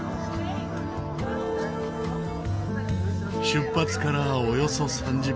出発からおよそ３０分。